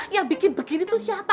yang bikin begini itu siapa